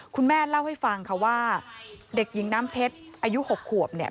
คุณแม่เล่าให้ฟังค่ะว่าเด็กหญิงน้ำเพชรอายุ๖ขวบเนี่ย